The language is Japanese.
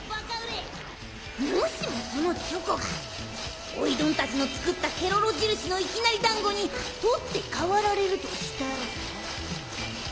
もしもそのチョコがおいどんたちの作ったケロロじるしのいきなりだんごに取って代わられるとしたら。